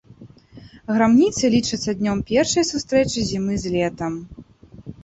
Грамніцы лічацца днём першай сустрэчы зімы з летам.